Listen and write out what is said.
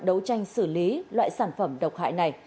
đấu tranh xử lý loại sản phẩm độc hại này